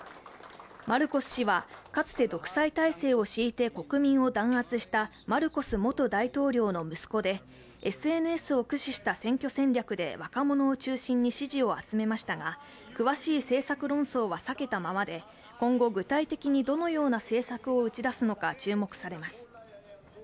マルコス氏はかつて独裁体制を敷いて国民を弾圧したマルコス元大統領の息子でＳＮＳを駆使した選挙戦略で若者を中心に支持を集めましたが詳しい政策論争は避けたままで、今後具体的にどのような政策を打ち出すのか注目されます。